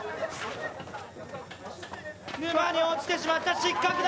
沼に落ちてしまった、失格だ。